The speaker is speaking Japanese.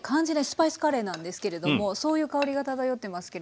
スパイスカレーなんですけれどもそういう香りが漂ってますけれども。